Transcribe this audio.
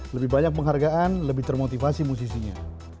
lebih banyak penghargaan lebih termotivasi musisinya